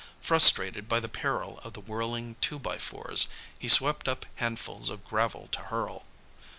Frustrated by the peril of the whirling two by fours, he swept up handfuls of gravel to hurl.